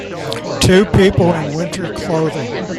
Two people in winter clothing